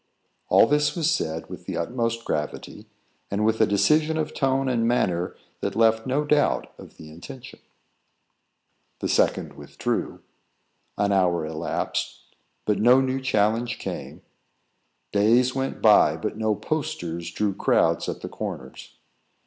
All this was said with the utmost gravity, and with a decision of tone and manner that left no doubt of the intention. The second withdrew. An hour elapsed, but no new challenge came. Days went by, but no "posters" drew crowds at the corners.